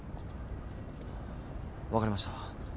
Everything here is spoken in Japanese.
分かりました。